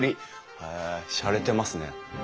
へえしゃれてますね。